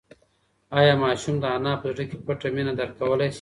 ایا ماشوم د انا په زړه کې پټه مینه درک کولی شي؟